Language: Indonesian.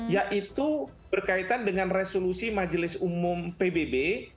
yaitu berkaitan dengan resolusi majelis umum pbb